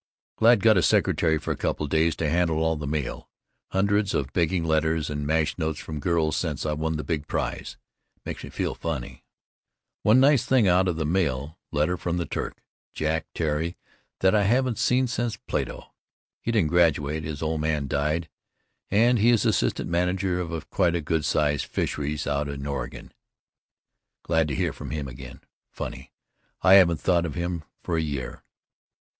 Glad got a secretary for a couple days to handle all this mail. Hundreds of begging letters and mash notes from girls since I won the big prize. Makes me feel funny! One nice thing out of the mail—letter from the Turk, Jack Terry, that I haven't seen since Plato. He didn't graduate, his old man died and he is assistant manager of quite a good sized fisheries out in Oregon, glad to hear from him again. Funny, I haven't thought of him for a year.